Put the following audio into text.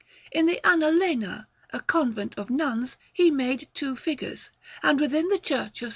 In the Annalena, a convent of nuns, he made two figures; and within the Church of S.